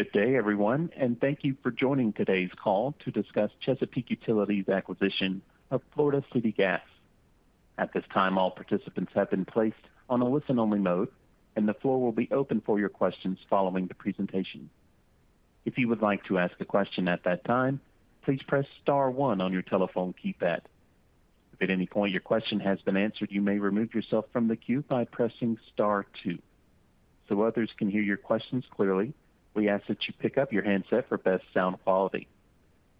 Good day, everyone, and thank you for joining today's call to discuss Chesapeake Utilities' acquisition of Florida City Gas. At this time, all participants have been placed on a listen-only mode, and the floor will be open for your questions following the presentation. If you would like to ask a question at that time, please press star one on your telephone keypad. If at any point your question has been answered, you may remove yourself from the queue by pressing star two. So others can hear your questions clearly, we ask that you pick up your handset for best sound quality.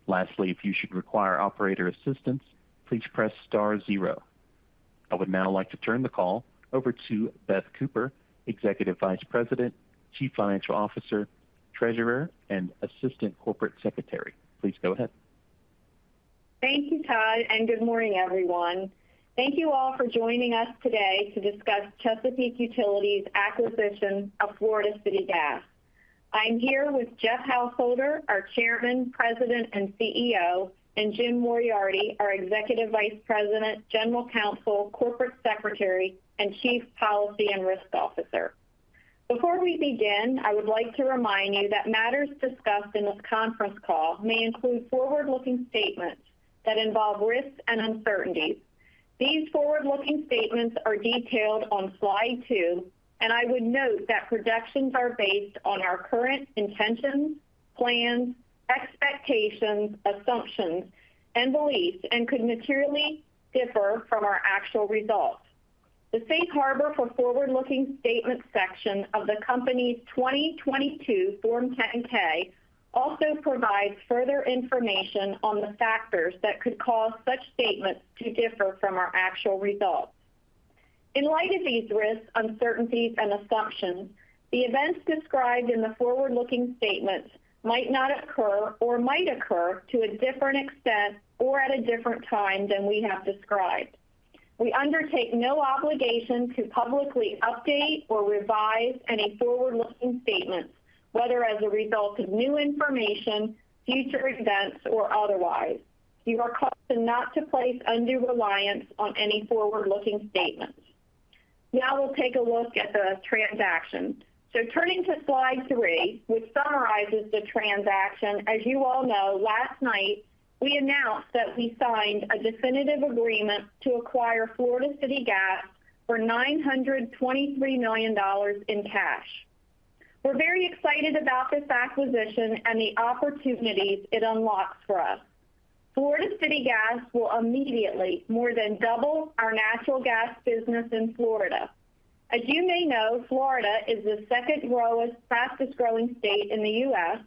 Lastly, if you should require operator assistance, please press star zero. I would now like to turn the call over to Beth Cooper, Executive Vice President, Chief Financial Officer, Treasurer, and Assistant Corporate Secretary. Please go ahead. Thank you, Todd, and good morning, everyone. Thank you all for joining us today to discuss Chesapeake Utilities' acquisition of Florida City Gas. I'm here with Jeff Householder, our Chairman, President, and CEO, and Jim Moriarty, our Executive Vice President, General Counsel, Corporate Secretary, and Chief Policy and Risk Officer. Before we begin, I would like to remind you that matters discussed in this conference call may include forward-looking statements that involve risks and uncertainties. These forward-looking statements are detailed on Slide 2, and I would note that projections are based on our current intentions, plans, expectations, assumptions, and beliefs, and could materially differ from our actual results. The Safe Harbor for Forward-Looking Statements section of the company's 2022 Form 10-K also provides further information on the factors that could cause such statements to differ from our actual results. In light of these risks, uncertainties and assumptions, the events described in the forward-looking statements might not occur or might occur to a different extent or at a different time than we have described. We undertake no obligation to publicly update or revise any forward-looking statements, whether as a result of new information, future events, or otherwise. You are cautioned not to place undue reliance on any forward-looking statements. Now we'll take a look at the transaction. Turning to Slide 3, which summarizes the transaction. As you all know, last night we announced that we signed a definitive agreement to acquire Florida City Gas for $923 million in cash. We're very excited about this acquisition and the opportunities it unlocks for us. Florida City Gas will immediately more than double our natural gas business in Florida. As you may know, Florida is the second fastest growing state in the U.S.,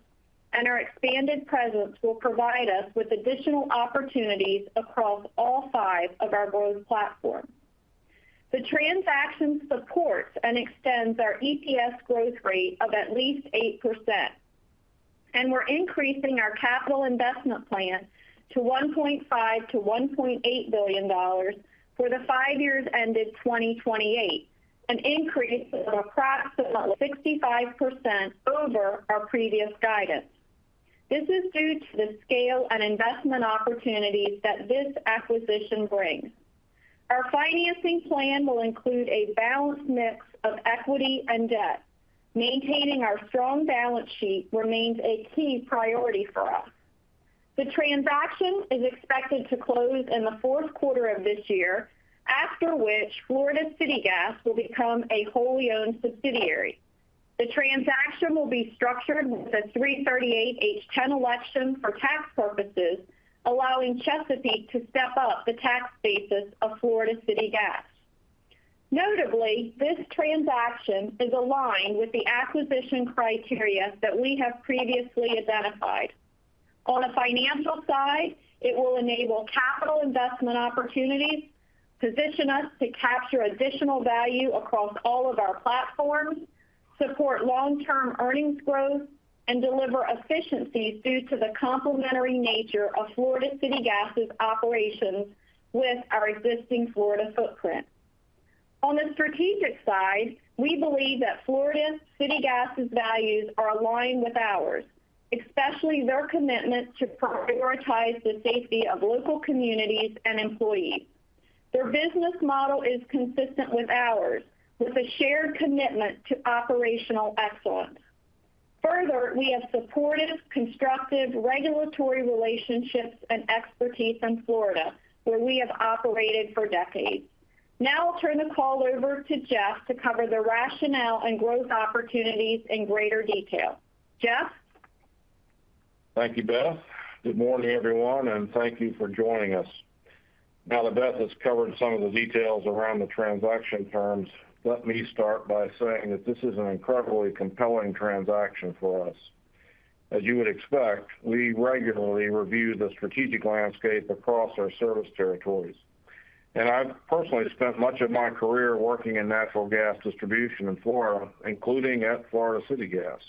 and our expanded presence will provide us with additional opportunities across all five of our growth platforms. The transaction supports and extends our EPS growth rate of at least 8%, and we're increasing our capital investment plan to $1.5 billion-$1.8 billion for the five years ended 2028, an increase of approximately 65% over our previous guidance. This is due to the scale and investment opportunities that this acquisition brings. Our financing plan will include a balanced mix of equity and debt. Maintaining our strong balance sheet remains a key priority for us. The transaction is expected to close in the fourth quarter of this year, after which Florida City Gas will become a wholly owned subsidiary. The transaction will be structured with a 338(h)(10) election for tax purposes, allowing Chesapeake to step up the tax basis of Florida City Gas. Notably, this transaction is aligned with the acquisition criteria that we have previously identified. On the financial side, it will enable capital investment opportunities, position us to capture additional value across all of our platforms, support long-term earnings growth, and deliver efficiencies due to the complementary nature of Florida City Gas's operations with our existing Florida footprint. On the strategic side, we believe that Florida City Gas's values are aligned with ours, especially their commitment to prioritize the safety of local communities and employees. Their business model is consistent with ours, with a shared commitment to operational excellence. Further, we have supportive, constructive regulatory relationships and expertise in Florida, where we have operated for decades. Now I'll turn the call over to Jeff to cover the rationale and growth opportunities in greater detail. Jeff? Thank you, Beth. Good morning, everyone, and thank you for joining us. Now that Beth has covered some of the details around the transaction terms, let me start by saying that this is an incredibly compelling transaction for us. As you would expect, we regularly review the strategic landscape across our service territories, and I've personally spent much of my career working in natural gas distribution in Florida, including at Florida City Gas.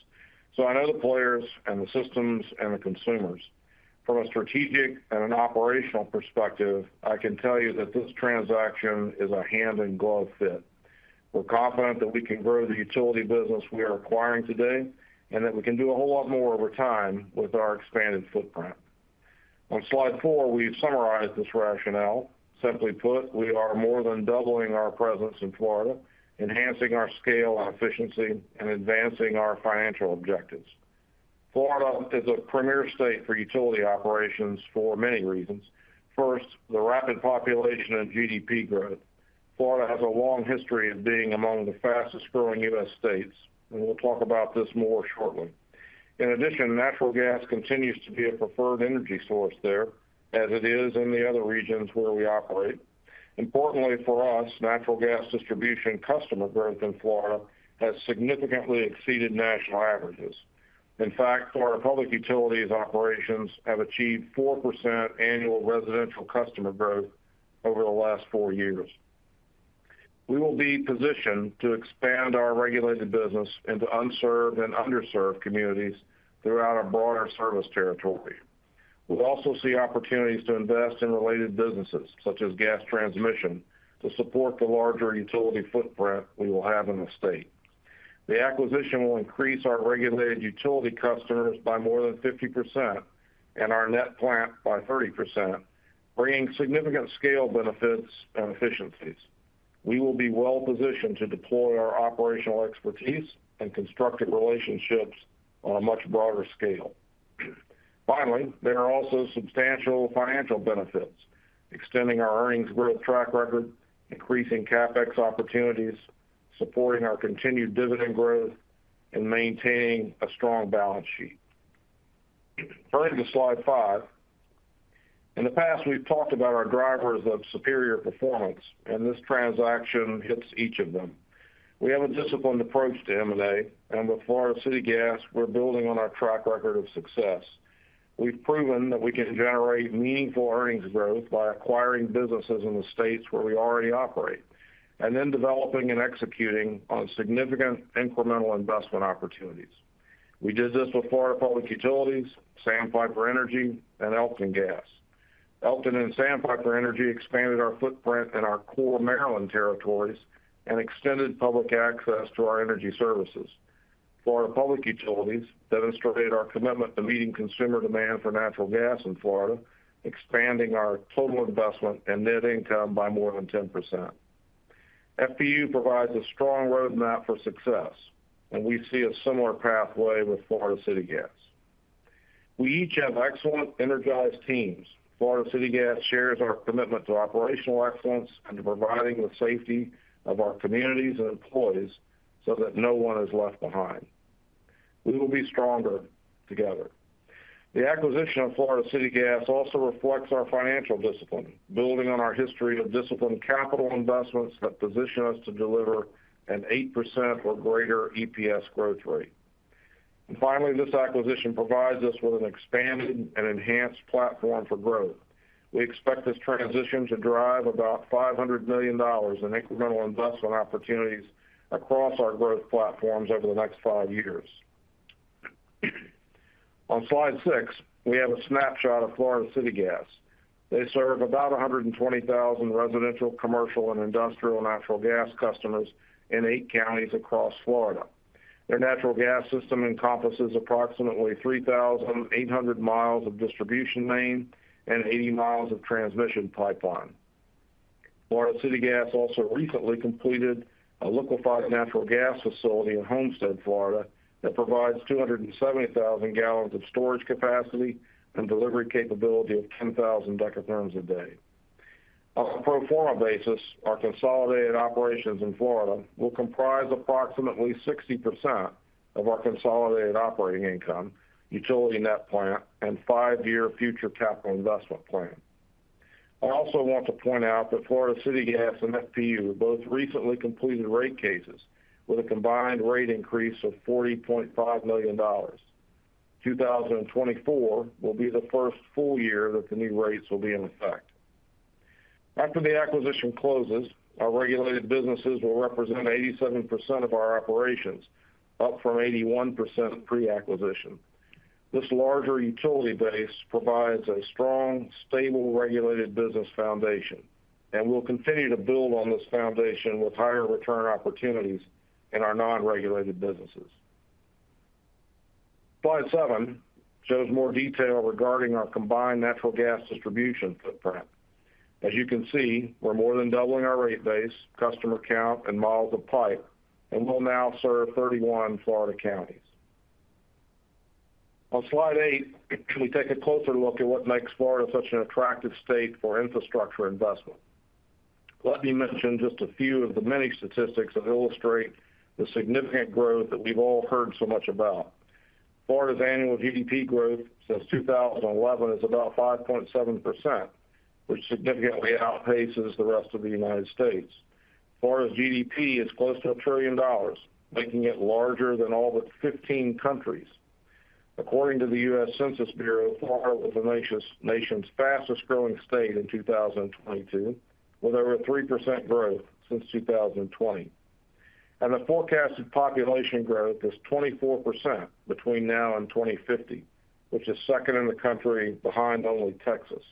So I know the players and the systems and the consumers. From a strategic and an operational perspective, I can tell you that this transaction is a hand-in-glove fit. We're confident that we can grow the utility business we are acquiring today, and that we can do a whole lot more over time with our expanded footprint. On Slide 4, we've summarized this rationale. Simply put, we are more than doubling our presence in Florida, enhancing our scale and efficiency, and advancing our financial objectives. Florida is a premier state for utility operations for many reasons. First, the rapid population and GDP growth. Florida has a long history of being among the fastest-growing U.S. states, and we'll talk about this more shortly. In addition, natural gas continues to be a preferred energy source there, as it is in the other regions where we operate. Importantly for us, natural gas distribution customer growth in Florida has significantly exceeded national averages. In fact, Florida Public Utilities operations have achieved 4% annual residential customer growth over the last four years. We will be positioned to expand our regulated business into unserved and underserved communities throughout our broader service territory. We'll also see opportunities to invest in related businesses, such as gas transmission, to support the larger utility footprint we will have in the state. The acquisition will increase our regulated utility customers by more than 50% and our net plant by 30%, bringing significant scale benefits and efficiencies. We will be well positioned to deploy our operational expertise and constructive relationships on a much broader scale. Finally, there are also substantial financial benefits, extending our earnings growth track record, increasing CapEx opportunities, supporting our continued dividend growth, and maintaining a strong balance sheet. Turning to Slide 5. In the past, we've talked about our drivers of superior performance, and this transaction hits each of them. We have a disciplined approach to M&A, and with Florida City Gas, we're building on our track record of success. We've proven that we can generate meaningful earnings growth by acquiring businesses in the states where we already operate, and then developing and executing on significant incremental investment opportunities. We did this with Florida Public Utilities, Sandpiper Energy, and Elkton Gas. Elkton and Sandpiper Energy expanded our footprint in our core Maryland territories and extended public access to our energy services. Florida Public Utilities demonstrated our commitment to meeting consumer demand for natural gas in Florida, expanding our total investment and net income by more than 10%. FPU provides a strong roadmap for success, and we see a similar pathway with Florida City Gas. We each have excellent, energized teams. Florida City Gas shares our commitment to operational excellence and to providing the safety of our communities and employees so that no one is left behind. We will be stronger together. The acquisition of Florida City Gas also reflects our financial discipline, building on our history of disciplined capital investments that position us to deliver an 8% or greater EPS growth rate. And finally, this acquisition provides us with an expanded and enhanced platform for growth. We expect this transition to drive about $500 million in incremental investment opportunities across our growth platforms over the next five years. On Slide 6, we have a snapshot of Florida City Gas. They serve about 120,000 residential, commercial, and industrial natural gas customers in eight counties across Florida. Their natural gas system encompasses approximately 3,800 miles of distribution main and 80 miles of transmission pipeline. Florida City Gas also recently completed a liquefied natural gas facility in Homestead, Florida, that provides 270,000 gal of storage capacity and delivery capability of 10,000 Dth a day. On a pro forma basis, our consolidated operations in Florida will comprise approximately 60% of our consolidated operating income, utility net plant, and five-year future capital investment plan. I also want to point out that Florida City Gas and FPU both recently completed rate cases with a combined rate increase of $40.5 million. 2024 will be the first full year that the new rates will be in effect. After the acquisition closes, our regulated businesses will represent 87% of our operations, up from 81% pre-acquisition. This larger utility base provides a strong, stable, regulated business foundation, and we'll continue to build on this foundation with higher return opportunities in our non-regulated businesses. Slide 7 shows more detail regarding our combined natural gas distribution footprint. As you can see, we're more than doubling our rate base, customer count, and miles of pipe, and we'll now serve 31 Florida counties. On Slide 8, we take a closer look at what makes Florida such an attractive state for infrastructure investment. Let me mention just a few of the many statistics that illustrate the significant growth that we've all heard so much about. Florida's annual GDP growth since 2011 is about 5.7%, which significantly outpaces the rest of the U.S.. Florida's GDP is close to $1 trillion, making it larger than all but 15 countries. According to the U.S. Census Bureau, Florida was the nation's fastest growing state in 2022, with over a 3% growth since 2020. The forecasted population growth is 24% between now and 2050, which is second in the country behind only Texas.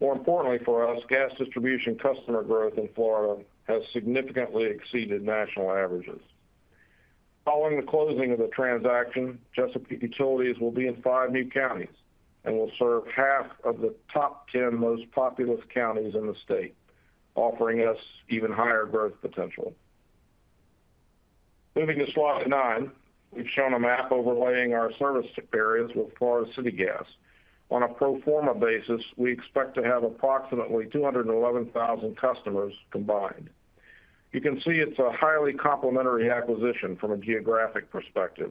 More importantly for us, gas distribution customer growth in Florida has significantly exceeded national averages. Following the closing of the transaction, Chesapeake Utilities will be in five new counties and will serve half of the top 10 most populous counties in the state, offering us even higher growth potential. Moving to slide 9, we've shown a map overlaying our service areas with Florida City Gas. On a pro forma basis, we expect to have approximately 211,000 customers combined. You can see it's a highly complementary acquisition from a geographic perspective,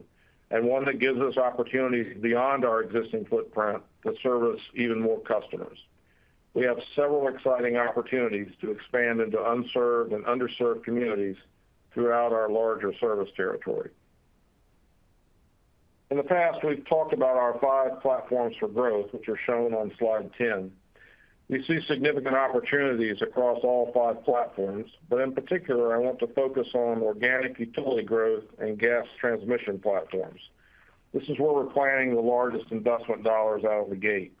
and one that gives us opportunities beyond our existing footprint to service even more customers. We have several exciting opportunities to expand into unserved and underserved communities throughout our larger service territory. In the past, we've talked about our five platforms for growth, which are shown on Slide 10. We see significant opportunities across all five platforms, but in particular, I want to focus on organic utility growth and gas transmission platforms. This is where we're planning the largest investment dollars out of the gate.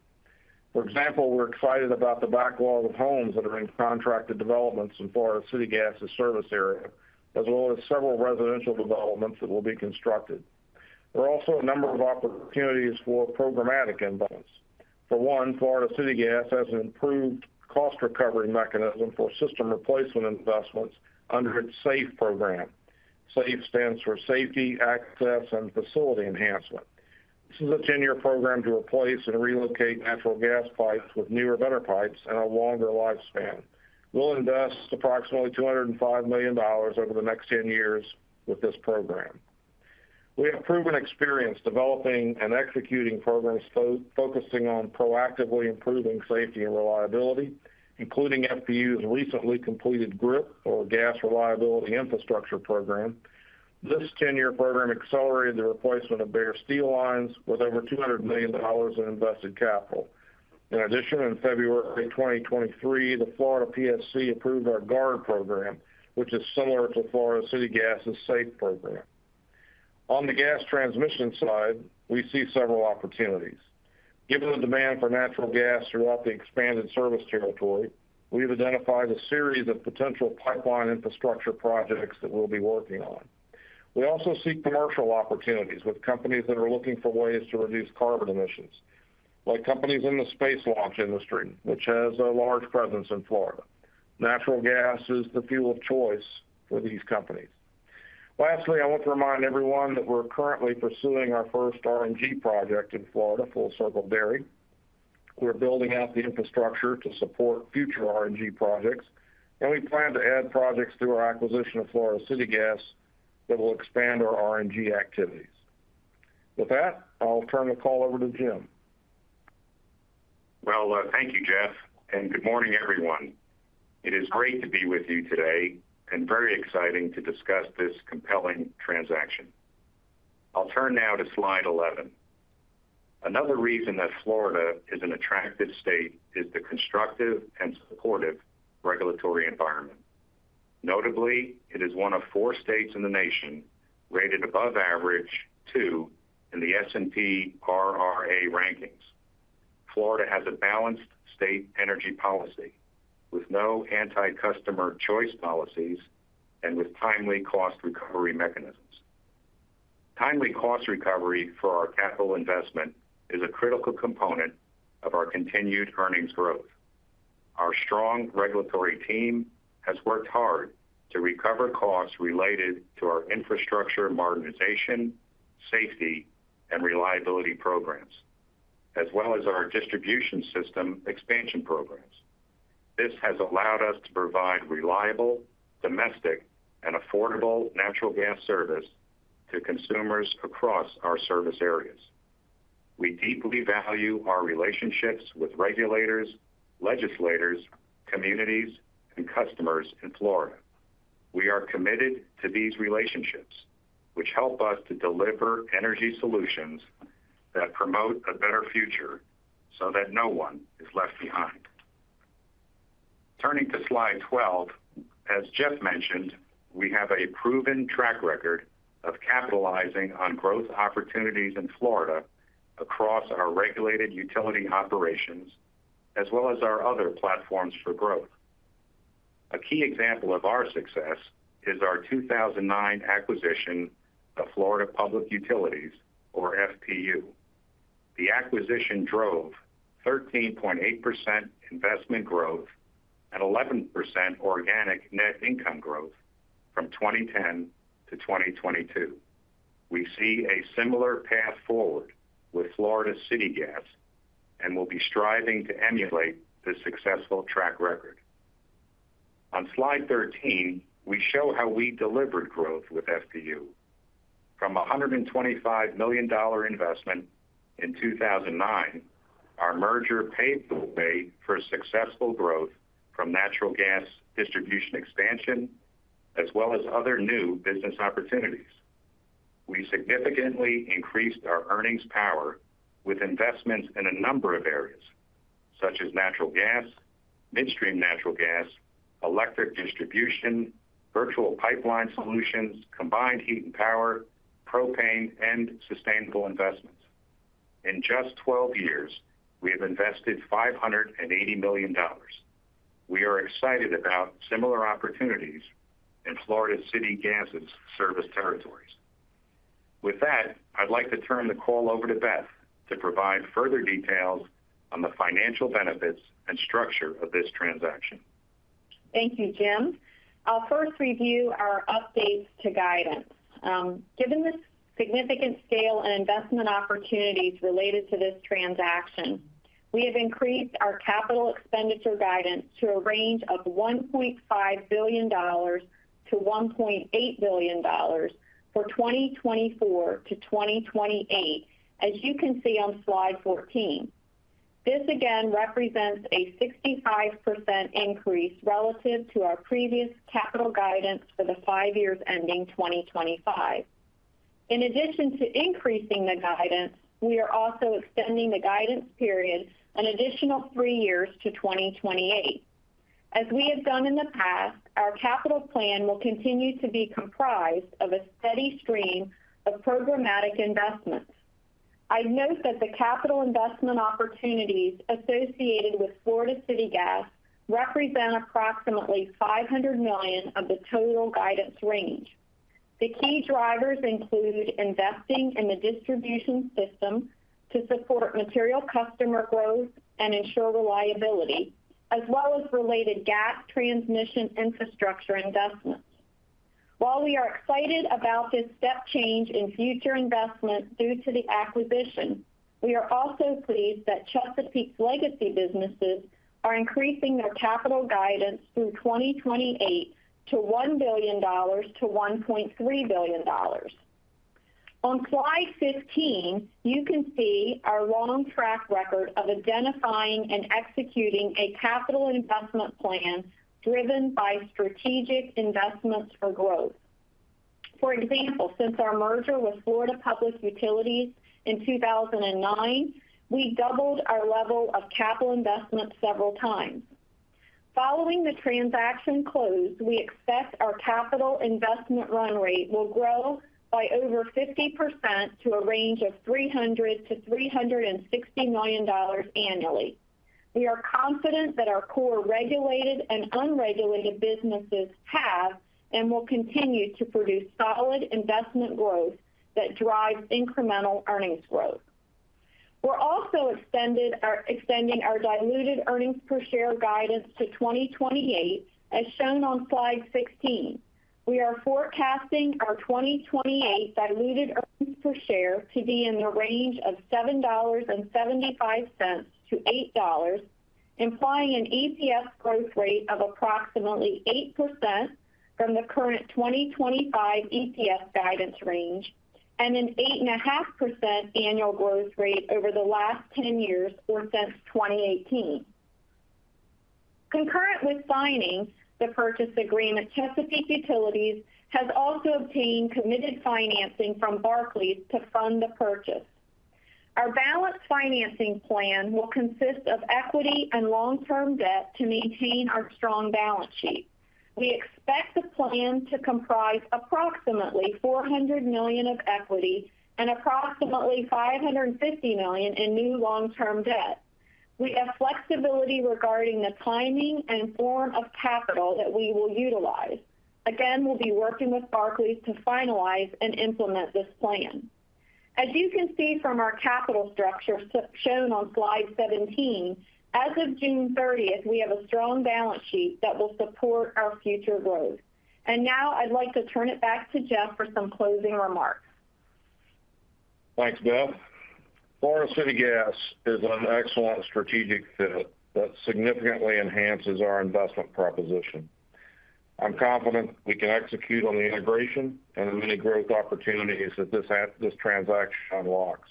For example, we're excited about the backlogs of homes that are in contracted developments in Florida City Gas's service area, as well as several residential developments that will be constructed. There are also a number of opportunities for programmatic investments. For one, Florida City Gas has an improved cost recovery mechanism for system replacement investments under its SAFE Program. SAFE stands for Safety, Access, and Facility Enhancement. This is a 10-year program to replace and relocate natural gas pipes with newer, better pipes and a longer lifespan. We'll invest approximately $205 million over the next 10 years with this program. We have proven experience developing and executing programs focusing on proactively improving safety and reliability, including FPU's recently completed GRIP, or Gas Reliability Infrastructure Program. This 10-year program accelerated the replacement of bare steel lines with over $200 million in invested capital. In addition, in February 2023, the Florida PSC approved our GARD Program, which is similar to Florida City Gas's SAFE Program. On the gas transmission side, we see several opportunities. Given the demand for natural gas throughout the expanded service territory, we've identified a series of potential pipeline infrastructure projects that we'll be working on. We also seek commercial opportunities with companies that are looking for ways to reduce carbon emissions, like companies in the space launch industry, which has a large presence in Florida. Natural gas is the fuel of choice for these companies. Lastly, I want to remind everyone that we're currently pursuing our first RNG project in Florida, Full Circle Dairy. We're building out the infrastructure to support future RNG projects, and we plan to add projects through our acquisition of Florida City Gas that will expand our RNG activities. With that, I'll turn the call over to Jim. Well, thank you, Jeff, and good morning, everyone. It is great to be with you today and very exciting to discuss this compelling transaction. I'll turn now to Slide 11. Another reason that Florida is an attractive state is the constructive and supportive regulatory environment. Notably, it is one of four states in the nation rated above average, too, in the S&P RRA Rankings. Florida has a balanced state energy policy with no anti-customer choice policies and with timely cost recovery mechanisms. Timely cost recovery for our capital investment is a critical component of our continued earnings growth. Our strong regulatory team has worked hard to recover costs related to our infrastructure modernization, safety, and reliability programs, as well as our distribution system expansion programs. This has allowed us to provide reliable, domestic, and affordable natural gas service to consumers across our service areas. We deeply value our relationships with regulators, legislators, communities, and customers in Florida. We are committed to these relationships, which help us to deliver energy solutions that promote a better future so that no one is left behind. Turning to Slide 12, as Jeff mentioned, we have a proven track record of capitalizing on growth opportunities in Florida across our regulated utility operations, as well as our other platforms for growth. A key example of our success is our 2009 acquisition of Florida Public Utilities, or FPU. The acquisition drove 13.8% investment growth and 11% organic net income growth from 2010 to 2022. We see a similar path forward with Florida City Gas and we'll be striving to emulate this successful track record. On Slide 13, we show how we delivered growth with FPU. From a $125 million investment in 2009, our merger paved the way for successful growth from natural gas distribution expansion, as well as other new business opportunities. We significantly increased our earnings power with investments in a number of areas, such as natural gas, midstream natural gas, electric distribution, virtual pipeline solutions, combined heat and power, propane, and sustainable investments. In just 12 years, we have invested $580 million. We are excited about similar opportunities in Florida City Gas's service territories. With that, I'd like to turn the call over to Beth to provide further details on the financial benefits and structure of this transaction. Thank you, Jim. I'll first review our updates to guidance. Given the significant scale and investment opportunities related to this transaction, we have increased our capital expenditure guidance to a range of $1.5 billion-$1.8 billion for 2024-2028, as you can see on Slide 14. This again represents a 65% increase relative to our previous capital guidance for the five years ending 2025. In addition to increasing the guidance, we are also extending the guidance period an additional three years to 2028. As we have done in the past, our capital plan will continue to be comprised of a steady stream of programmatic investments. I'd note that the capital investment opportunities associated with Florida City Gas represent approximately $500 million of the total guidance range. The key drivers include investing in the distribution system to support material customer growth and ensure reliability, as well as related gas transmission infrastructure investments. While we are excited about this step change in future investments due to the acquisition, we are also pleased that Chesapeake's legacy businesses are increasing their capital guidance through 2028 to $1 billion-$1.3 billion. On Slide 15, you can see our long track record of identifying and executing a capital investment plan driven by strategic investments for growth. For example, since our merger with Florida Public Utilities in 2009, we doubled our level of capital investment several times. Following the transaction close, we expect our capital investment run rate will grow by over 50% to a range of $300 million-$360 million annually. We are confident that our core regulated and unregulated businesses have, and will continue to produce solid investment growth that drives incremental earnings growth. We're also extending our diluted earnings per share guidance to 2028, as shown on slide 16. We are forecasting our 2028 diluted earnings per share to be in the range of $7.75-$8, implying an EPS growth rate of approximately 8% from the current 2025 EPS guidance range, and an 8.5% annual growth rate over the last 10 years or since 2018. Concurrent with signing the purchase agreement, Chesapeake Utilities has also obtained committed financing from Barclays to fund the purchase. Our balanced financing plan will consist of equity and long-term debt to maintain our strong balance sheet. We expect the plan to comprise approximately $400 million of equity and approximately $550 million in new long-term debt. We have flexibility regarding the timing and form of capital that we will utilize. Again, we'll be working with Barclays to finalize and implement this plan. As you can see from our capital structure shown on Slide 17, as of June 30, we have a strong balance sheet that will support our future growth. And now I'd like to turn it back to Jeff for some closing remarks. Thanks, Beth. Florida City Gas is an excellent strategic fit that significantly enhances our investment proposition. I'm confident we can execute on the integration and the many growth opportunities that this this transaction unlocks.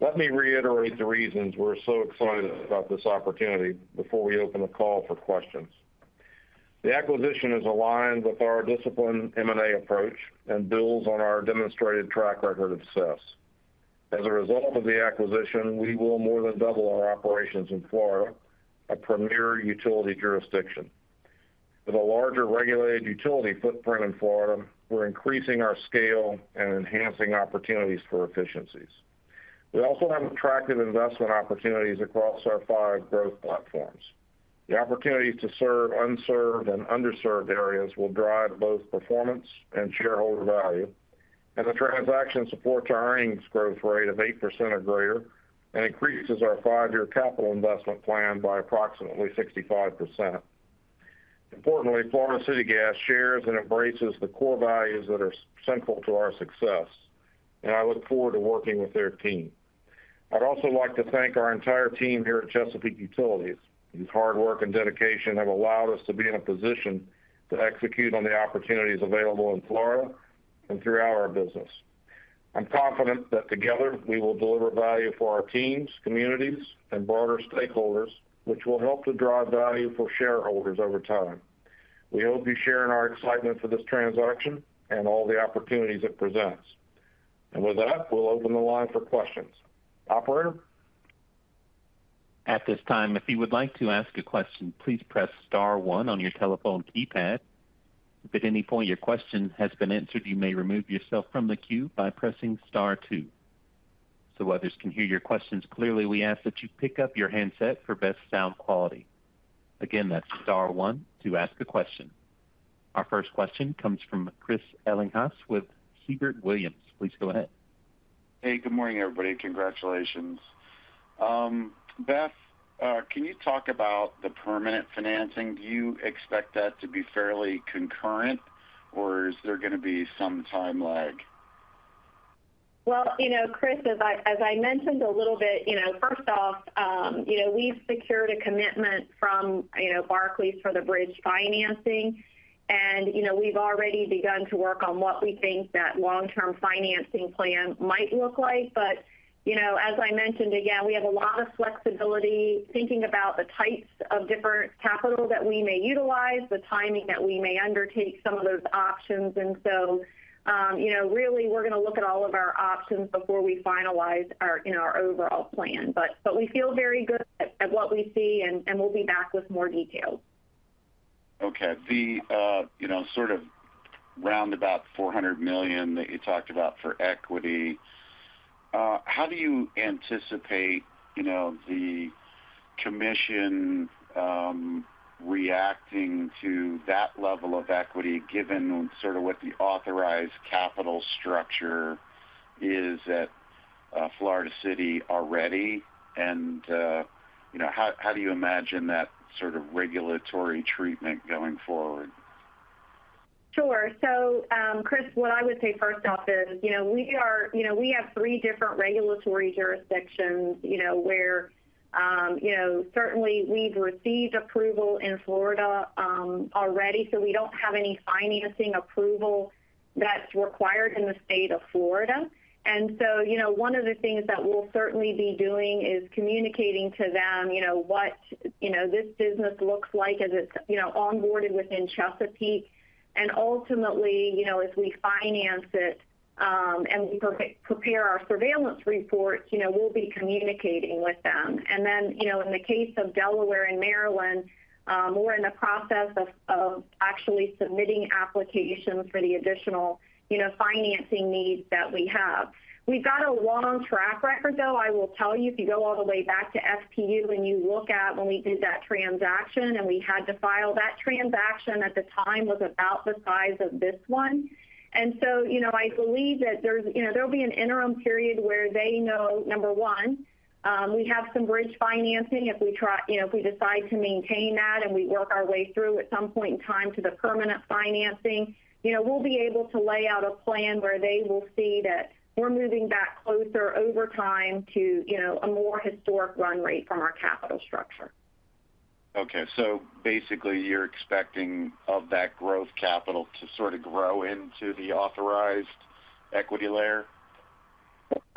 Let me reiterate the reasons we're so excited about this opportunity before we open the call for questions. The acquisition is aligned with our disciplined M&A approach and builds on our demonstrated track record of success. As a result of the acquisition, we will more than double our operations in Florida, a premier utility jurisdiction. With a larger regulated utility footprint in Florida, we're increasing our scale and enhancing opportunities for efficiencies. We also have attractive investment opportunities across our five growth platforms. The opportunities to serve unserved and underserved areas will drive both performance and shareholder value. The transaction supports our earnings growth rate of 8% or greater, and increases our five-year capital investment plan by approximately 65%. Importantly, Florida City Gas shares and embraces the core values that are central to our success, and I look forward to working with their team. I'd also like to thank our entire team here at Chesapeake Utilities, whose hard work and dedication have allowed us to be in a position to execute on the opportunities available in Florida and throughout our business. I'm confident that together, we will deliver value for our teams, communities, and broader stakeholders, which will help to drive value for shareholders over time. We hope you share in our excitement for this transaction and all the opportunities it presents. And with that, we'll open the line for questions. Operator? At this time, if you would like to ask a question, please press star one on your telephone keypad. If at any point your question has been answered, you may remove yourself from the queue by pressing star two. So others can hear your questions clearly, we ask that you pick up your handset for best sound quality. Again, that's star one to ask a question. Our first question comes from Chris Ellinghaus with Siebert Williams. Please go ahead. Hey, good morning, everybody. Congratulations. Beth, can you talk about the permanent financing? Do you expect that to be fairly concurrent, or is there going to be some time lag? Well, you know, Chris, as I mentioned a little bit, you know, first off, you know, we've secured a commitment from, you know, Barclays for the bridge financing. And, you know, we've already begun to work on what we think that long-term financing plan might look like. But, you know, as I mentioned, again, we have a lot of flexibility thinking about the types of different capital that we may utilize, the timing that we may undertake some of those options. And so, you know, really, we're going to look at all of our options before we finalize our, you know, our overall plan. But we feel very good at what we see, and we'll be back with more details. Okay. The, you know, sort of round about $400 million that you talked about for equity, how do you anticipate, you know, the commission, reacting to that level of equity, given sort of what the authorized capital structure is at, Florida City already? You know, how do you imagine that sort of regulatory treatment going forward? Sure. So, Chris, what I would say first off is, you know, we are, you know, we have three different regulatory jurisdictions, you know, where, you know, certainly we've received approval in Florida, already, so we don't have any financing approval that's required in the state of Florida. And so, you know, one of the things that we'll certainly be doing is communicating to them, you know, what, you know, this business looks like as it's, you know, onboarded within Chesapeake. And ultimately, you know, as we finance it, and we pre-prepare our surveillance reports, you know, we'll be communicating with them. And then, you know, in the case of Delaware and Maryland, we're in the process of actually submitting applications for the additional, you know, financing needs that we have. We've got a long track record, though. I will tell you, if you go all the way back to FPU, and you look at when we did that transaction, and we had to file that transaction at the time, was about the size of this one. And so, you know, I believe that there's, you know, there'll be an interim period where they know, number one, we have some bridge financing. If we try, you know, if we decide to maintain that and we work our way through at some point in time to the permanent financing, you know, we'll be able to lay out a plan where they will see that we're moving back closer over time to, you know, a more historic run rate from our capital structure. Okay, so basically, you're expecting of that growth capital to sort of grow into the authorized equity layer?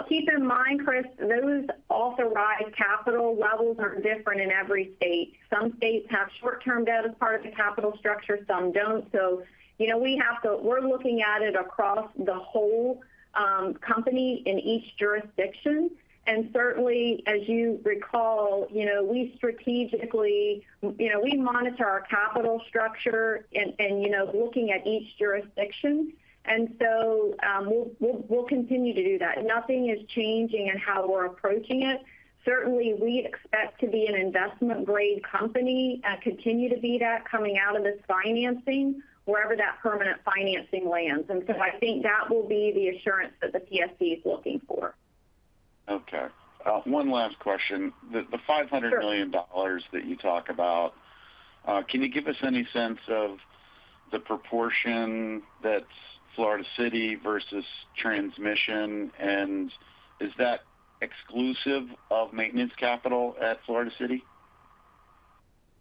Keep in mind, Chris, those authorized capital levels are different in every state. Some states have short-term debt as part of the capital structure, some don't. So, you know, we have to-- we're looking at it across the whole, company in each jurisdiction. And certainly, as you recall, you know, we strategically, you know, we monitor our capital structure and, and you know, looking at each jurisdiction, and so, we'll, we'll, we'll continue to do that. Nothing is changing in how we're approaching it. Certainly, we expect to be an investment-grade company and continue to be that coming out of this financing, wherever that permanent financing lands. And so I think that will be the assurance that the PSC is looking for. Okay. One last question. Sure. The $500 million that you talk about, can you give us any sense of the proportion that's Florida City versus transmission? And is that exclusive of maintenance capital at Florida City?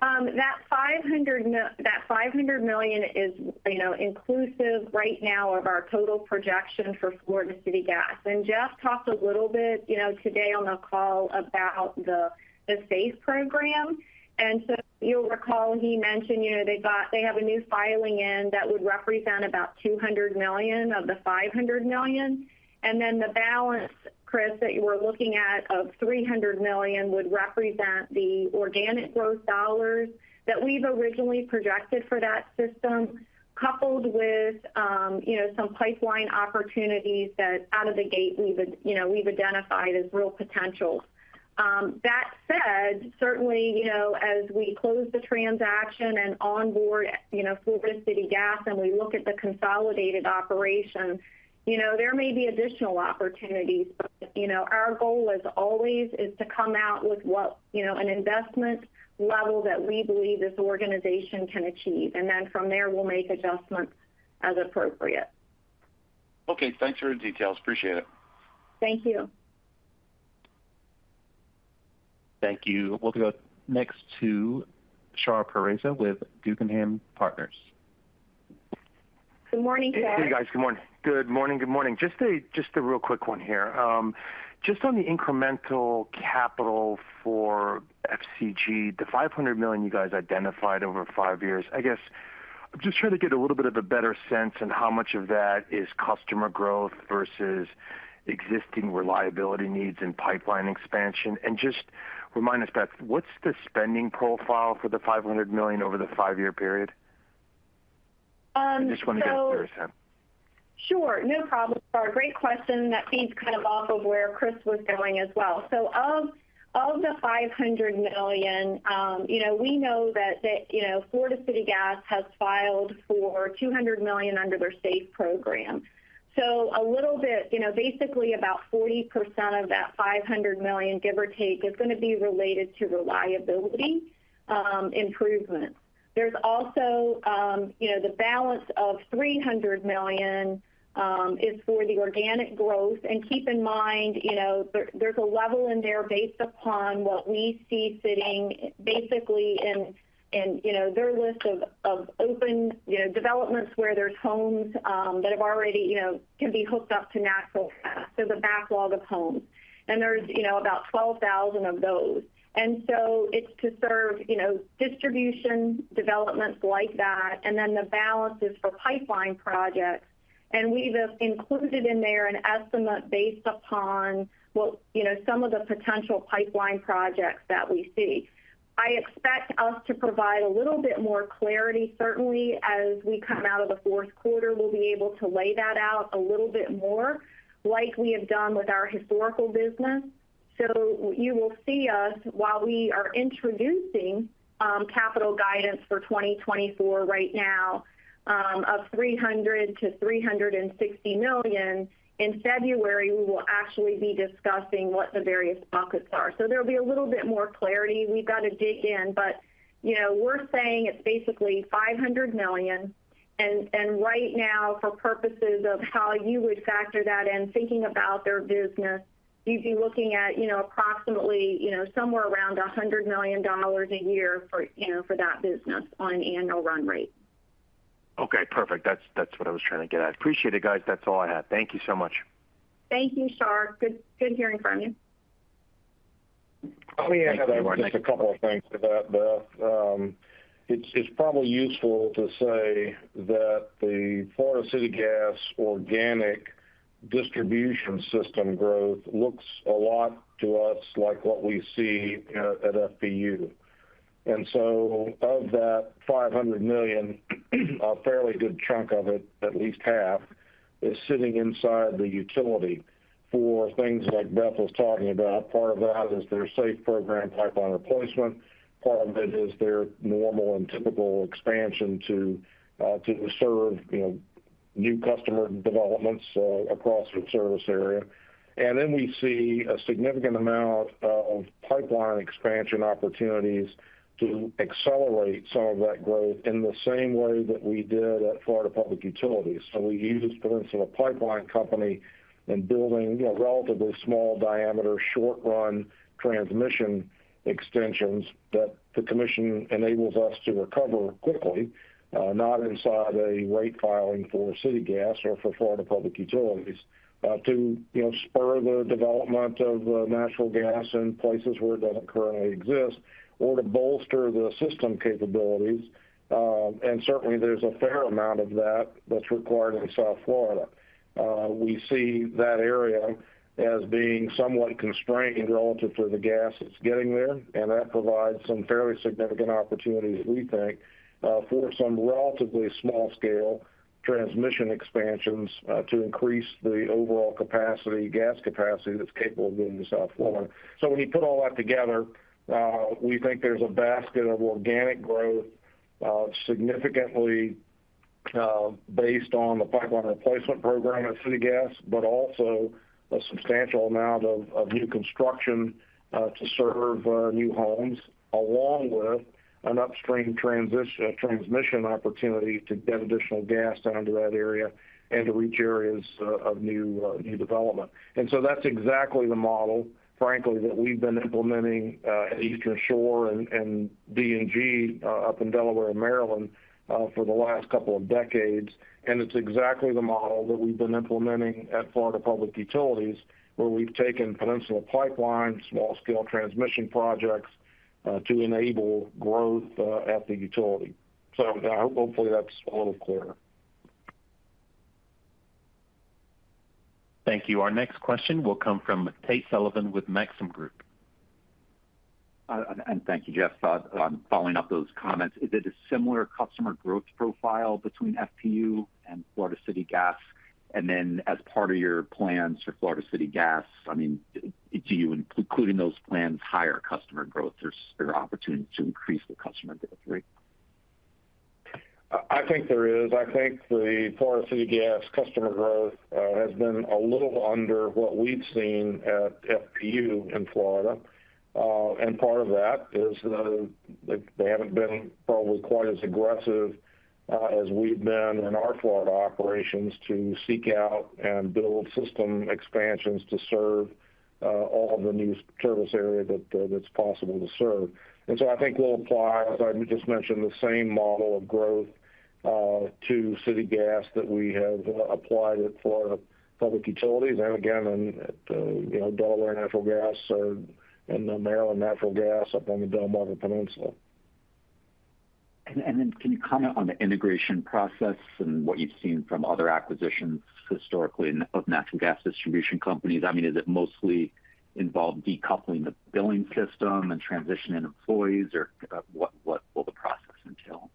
That $500 million is, you know, inclusive right now of our total projection for Florida City Gas. And Jeff talked a little bit, you know, today on the call about the, the safe program. And so you'll recall he mentioned, you know, they got-- they have a new filing in that would represent about $200 million of the $500 million. And then the balance, Chris, that you were looking at of $300 million, would represent the organic growth dollars that we've originally projected for that system, coupled with, you know, some pipeline opportunities that out of the gate, we've, you know, we've identified as real potential. That said, certainly, you know, as we close the transaction and onboard, you know, Florida City Gas and we look at the consolidated operations, you know, there may be additional opportunities. You know, our goal as always, is to come out with what, you know, an investment level that we believe this organization can achieve. Then from there, we'll make adjustments as appropriate. Okay. Thanks for the details. Appreciate it. Thank you. Thank you. We'll go next to Shar Pourreza with Guggenheim Partners. Good morning, Char. Hey, guys. Good morning. Good morning, good morning. Just a real quick one here. Just on the incremental capital for FCG, the $500 million you guys identified over five years, I guess, I'm just trying to get a little bit of a better sense on how much of that is customer growth versus existing reliability needs and pipeline expansion. And just remind us, Beth, what's the spending profile for the $500 million over the five-year period? I just want to get a clear sense. Sure, no problem, Shar. Great question. That feeds kind of off of where Chris was going as well. So of the $500 million, you know, we know that Florida City Gas has filed for $200 million under their SAFE program. So a little bit, you know, basically about 40% of that $500 million, give or take, is going to be related to reliability improvement. There's also, you know, the balance of $300 million is for the organic growth. And keep in mind, you know, there, there's a level in there based upon what we see sitting basically in their list of open developments where there's homes that have already, you know, can be hooked up to natural gas. There's a backlog of homes, and there's, you know, about 12,000 of those. And so it's to serve, you know, distribution developments like that, and then the balance is for pipeline projects. And we've included in there an estimate based upon what, you know, some of the potential pipeline projects that we see. I expect us to provide a little bit more clarity, certainly as we come out of the fourth quarter. We'll be able to lay that out a little bit more like we have done with our historical business. So you will see us while we are introducing capital guidance for 2024 right now of $300 million-$360 million. In February, we will actually be discussing what the various buckets are. So there'll be a little bit more clarity. We've got to dig in, but, you know, we're saying it's basically $500 million, and, and right now, for purposes of how you would factor that in thinking about their business, you'd be looking at, you know, approximately, you know, somewhere around $100 million a year for, you know, for that business on an annual run rate. Okay, perfect. That's, that's what I was trying to get at. Appreciate it, guys. That's all I had. Thank you so much. Thank you, Shar. Good, good hearing from you. Let me add just a couple of things to that, Beth. It's probably useful to say that the Florida City Gas organic distribution system growth looks a lot to us like what we see at FPU. And so of that $500 million, a fairly good chunk of it, at least half, is sitting inside the utility for things like Beth was talking about. Part of that is their SAFE program, pipeline replacement. Part of it is their normal and typical expansion to serve, you know, new customer developments across the service area. And then we see a significant amount of pipeline expansion opportunities to accelerate some of that growth in the same way that we did at Florida Public Utilities. So we use Peninsula Pipeline Company in building, you know, relatively small diameter, short-run transmission extensions that the commission enables us to recover quickly, not inside a rate filing for Florida City Gas or for Florida Public Utilities, to, you know, spur the development of natural gas in places where it doesn't currently exist, or to bolster the system capabilities. And certainly there's a fair amount of that that's required in South Florida. We see that area as being somewhat constrained relative to the gas that's getting there, and that provides some fairly significant opportunities, we think, for some relatively small-scale transmission expansions, to increase the overall capacity, gas capacity, that's capable of going to South Florida. So when you put all that together, we think there's a basket of organic growth, significantly, based on the pipeline replacement program at Florida City Gas, but also a substantial amount of new construction to serve new homes, along with an upstream transmission opportunity to get additional gas down to that area and to reach areas of new development. So that's exactly the model, frankly, that we've been implementing at Eastern Shore and DNG up in Delaware and Maryland for the last couple of decades. And it's exactly the model that we've been implementing at Florida Public Utilities, where we've taken Peninsula Pipeline small-scale transmission projects to enable growth at the utility. So I hope hopefully that's a little clearer. Thank you. Our next question will come from Tate Sullivan with Maxim Group. And thank you, Jeff. On following up those comments, is it a similar customer growth profile between FPU and Florida City Gas? And then as part of your plans for Florida City Gas, I mean, do you include in those plans higher customer growth or there are opportunities to increase the customer growth rate? I, I think there is. I think the Florida City Gas customer growth has been a little under what we've seen at FPU in Florida. And part of that is they haven't been probably quite as aggressive as we've been in our Florida operations to seek out and build system expansions to serve all of the new service area that's possible to serve. And so I think we'll apply, as I just mentioned, the same model of growth to city gas that we have applied at Florida Public Utilities, and again, in you know, Delaware Natural Gas or in the Maryland Natural Gas up on the Delmarva Peninsula. And then can you comment on the integration process and what you've seen from other acquisitions historically in of natural gas distribution companies? I mean, does it mostly involve decoupling the billing system and transitioning employees, or what will the process entail?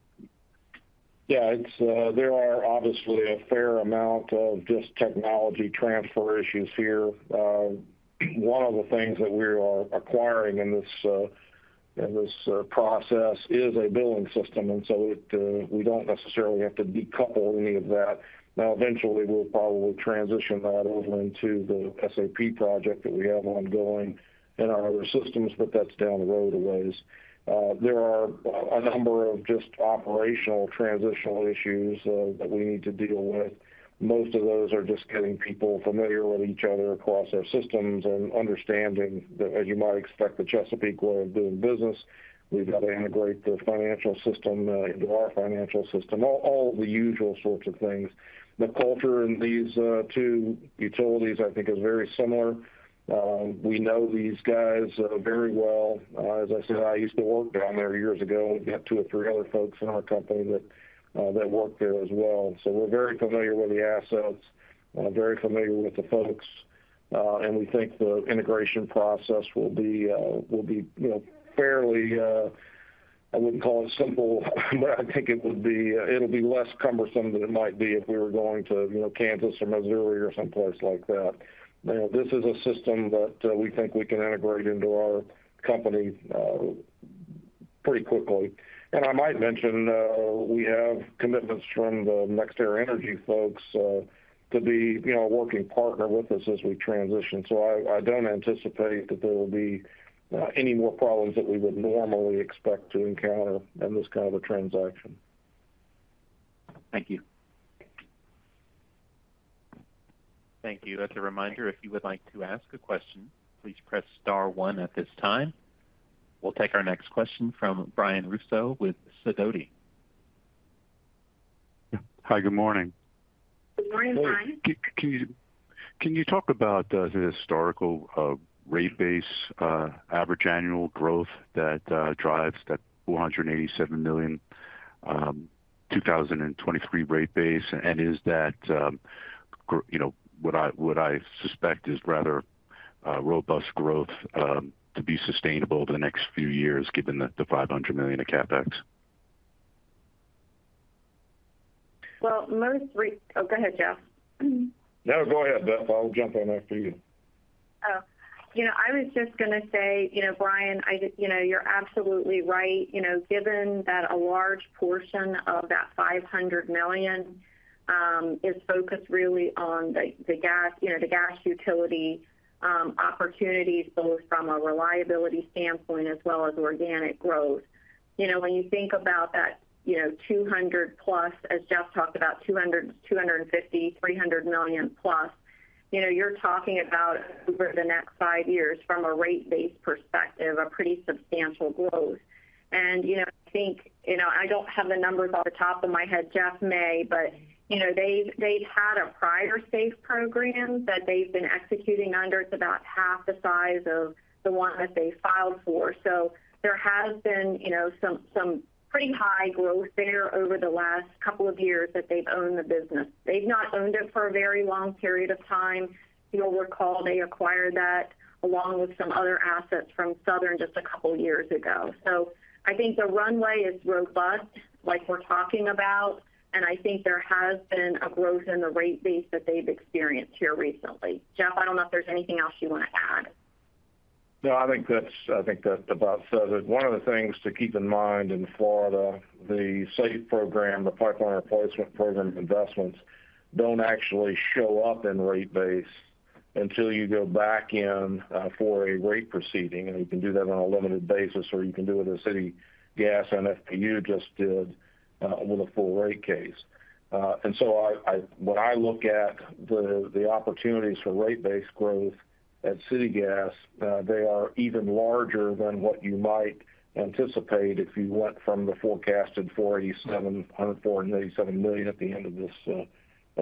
Yeah, it's, there are obviously a fair amount of just technology transfer issues here. One of the things that we are acquiring in this process is a billing system, and so it, we don't necessarily have to decouple any of that. Now, eventually, we'll probably transition that over into the SAP project that we have ongoing in our other systems, but that's down the road a ways. There are a number of just operational transitional issues that we need to deal with. Most of those are just getting people familiar with each other across our systems and understanding that, as you might expect, the Chesapeake way of doing business, we've got to integrate the financial system into our financial system, all the usual sorts of things. The culture in these two utilities, I think, is very similar. We know these guys very well. As I said, I used to work down there years ago. We have two or three other folks in our company that work there as well. So we're very familiar with the assets, very familiar with the folks, and we think the integration process will be, you know, fairly, I wouldn't call it simple, but I think it would be—it'll be less cumbersome than it might be if we were going to, you know, Kansas or Missouri or someplace like that. You know, this is a system that we think we can integrate into our company pretty quickly. And I might mention, we have commitments from the NextEra Energy folks to be, you know, a working partner with us as we transition. So I don't anticipate that there will be any more problems than we would normally expect to encounter in this kind of a transaction. Thank you. Thank you. As a reminder, if you would like to ask a question, please press star one at this time. We'll take our next question from Brian Russo with Sidoti. Hi, good morning. Good morning, Brian. Can you talk about the historical rate base average annual growth that drives that $487 million 2023 rate base? And is that, you know, what I suspect is rather robust growth to be sustainable over the next few years, given the $500 million of CapEx? Well, oh, go ahead, Jeff. No, go ahead, Beth. I'll jump in after you. Oh, you know, I was just going to say, you know, Brian, I just—you know, you're absolutely right. You know, given that a large portion of that $500 million is focused really on the, the gas, you know, the gas utility opportunities, both from a reliability standpoint as well as organic growth. You know, when you think about that, you know, 200 plus, as Jeff talked about, 200, 250, 300 million plus, you know, you're talking about over the next five years from a rate base perspective, a pretty substantial growth. And, you know, I think, you know, I don't have the numbers off the top of my head, Jeff may, but, you know, they've, they've had a prior safe program that they've been executing under. It's about half the size of the one that they filed for. There has been, you know, some pretty high growth there over the last couple of years that they've owned the business. They've not owned it for a very long period of time. You'll recall they acquired that along with some other assets from Southern just a couple of years ago. I think the runway is robust, like we're talking about, and I think there has been a growth in the rate base that they've experienced here recently. Jeff, I don't know if there's anything else you want to add. No, I think that's, I think that about says it. One of the things to keep in mind in Florida, the SAFE Program, the Pipeline Replacement Program investments, don't actually show up in rate base until you go back in, for a rate proceeding, and you can do that on a limited basis, or you can do it as City Gas and FPU just did, with a full rate case. And so I—when I look at the opportunities for rate base growth at City Gas, they are even larger than what you might anticipate if you went from the forecasted $487 million at the end of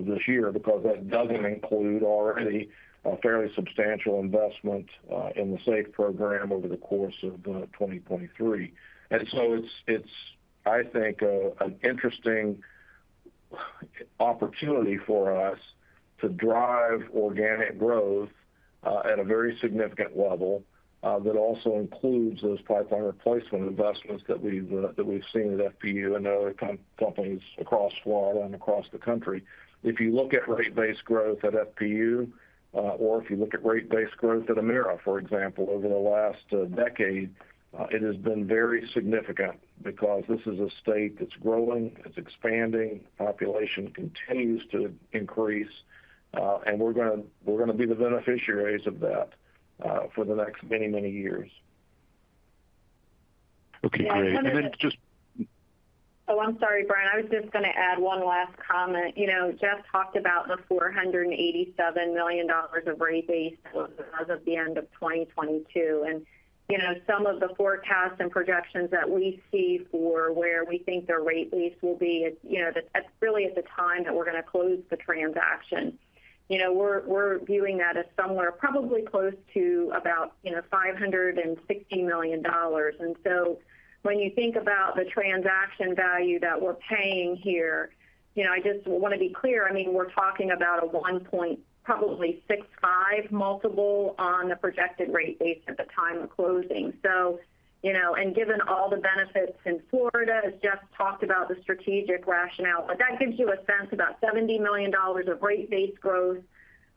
this year, because that doesn't include already a fairly substantial investment in the SAFE Program over the course of 2023. And so it's, I think, an interesting opportunity for us to drive organic growth at a very significant level that also includes those pipeline replacement investments that we've seen at FPU and other companies across Florida and across the country. If you look at rate base growth at FPU, or if you look at rate base growth at Emera, for example, over the last decade, it has been very significant because this is a state that's growing, it's expanding, population continues to increase, and we're gonna be the beneficiaries of that for the next many, many years. Okay, great. Yeah, I kind of- And then just- Oh, I'm sorry, Brian. I was just going to add one last comment. You know, Jeff talked about the $487 million of rate base as of the end of 2022. You know, some of the forecasts and projections that we see for where we think the rate base will be, you know, at really at the time that we're going to close the transaction, you know, we're, we're viewing that as somewhere probably close to about, you know, $560 million. So when you think about the transaction value that we're paying here, you know, I just want to be clear, I mean, we're talking about a 1.65x multiple on the projected rate base at the time of closing. So, you know, and given all the benefits in Florida, as Jeff talked about the strategic rationale, but that gives you a sense about $70 million of Rate Base growth,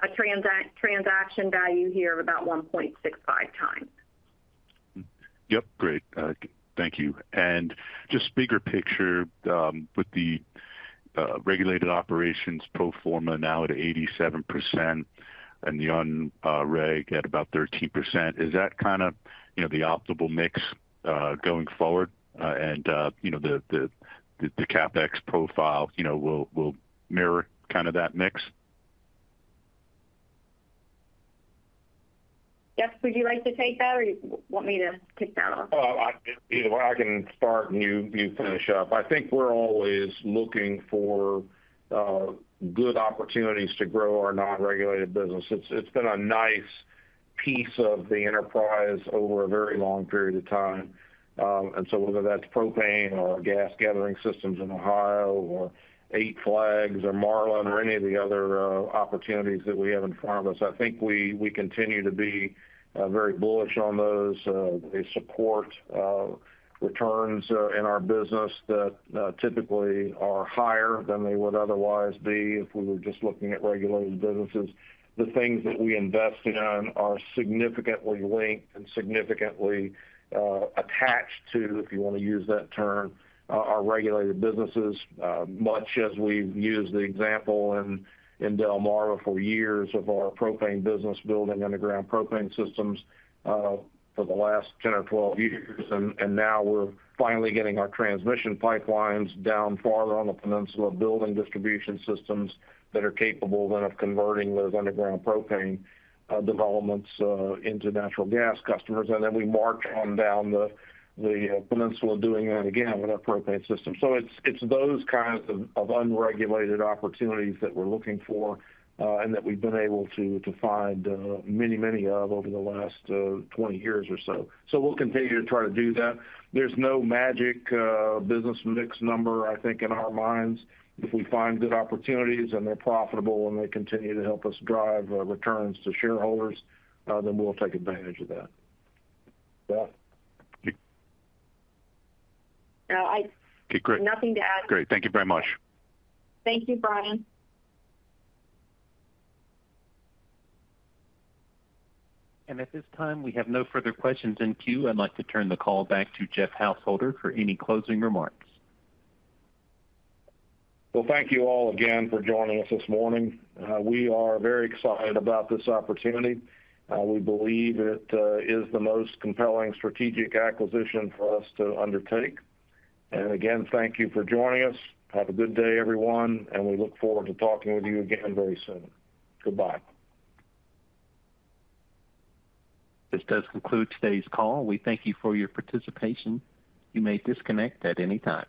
a transaction value here of about 1.65x. Yep, great. Thank you. And just bigger picture, with the regulated operations pro forma now at 87% and the unreg at about 13%, is that kind of, you know, the optimal mix going forward? And you know, the CapEx profile, you know, will mirror kind of that mix? Jeff, would you like to take that, or you want me to kick that off? Well, either I can start and you, you finish up. I think we're always looking for good opportunities to grow our non-regulated business. It's, it's been a nice piece of the enterprise over a very long period of time. And so whether that's propane or gas gathering systems in Ohio, or Eight Flags or Marlin or any of the other opportunities that we have in front of us, I think we, we continue to be very bullish on those. They support returns in our business that typically are higher than they would otherwise be if we were just looking at regulated businesses. The things that we invest in are significantly linked and significantly attached to, if you want to use that term, our regulated businesses, much as we've used the example in Delmarva for years of our propane business building underground propane systems for the last 10 or 12 years. And now we're finally getting our transmission pipelines down farther on the peninsula, building distribution systems that are capable then of converting those underground propane developments into natural gas customers. And then we march on down the peninsula doing that again with our propane system. So it's those kinds of unregulated opportunities that we're looking for, and that we've been able to find many, many of over the last 20 years or so. So we'll continue to try to do that. There's no magic, business mix number, I think, in our minds. If we find good opportunities and they're profitable and they continue to help us drive, returns to shareholders, then we'll take advantage of that. Beth? Uh, I- Okay, great. Nothing to add. Great. Thank you very much. Thank you, Brian. At this time, we have no further questions in queue. I'd like to turn the call back to Jeff Householder for any closing remarks. Well, thank you all again for joining us this morning. We are very excited about this opportunity. We believe it is the most compelling strategic acquisition for us to undertake. And again, thank you for joining us. Have a good day, everyone, and we look forward to talking with you again very soon. Goodbye. This does conclude today's call. We thank you for your participation. You may disconnect at any time.